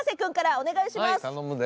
お願いします！